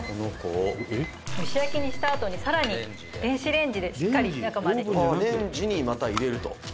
「蒸し焼きにしたあとに更に電子レンジでしっかり中まで」「レンジにまた入れると」